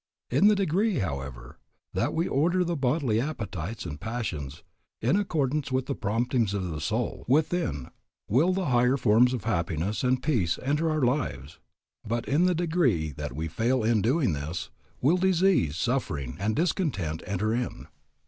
In the degree, however, that we order the bodily appetites and passions in accordance with the promptings of the soul within will the higher forms of happiness and peace enter our lives; but in the degree that we fail in doing this will disease, suffering, and discontent enter in.